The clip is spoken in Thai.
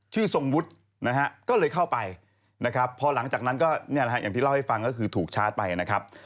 ทรงวุฒินะฮะก็เลยเข้าไปนะครับพอหลังจากนั้นก็เนี่ยนะฮะอย่างที่เล่าให้ฟังก็คือถูกชาร์จไปนะครับ